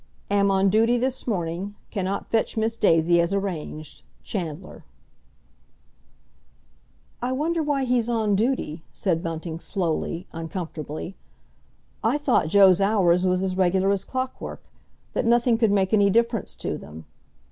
"Am on duty this morning. Cannot fetch Miss Daisy as arranged.—CHANDLER." "I wonder why he's on duty?" said Bunting slowly, uncomfortably. "I thought Joe's hours was as regular as clockwork—that nothing could make any difference to them.